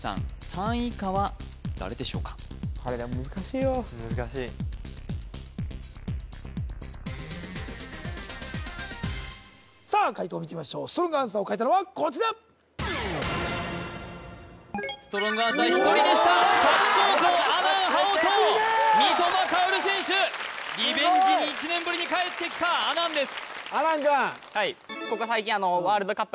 ３位以下は誰でしょうかこれでも難しいよ・難しいさあ解答を見てみましょうストロングアンサーを書いたのはこちらストロングアンサー１人でした滝高校阿南羽音三笘薫選手リベンジに１年ぶりにかえってきた阿南です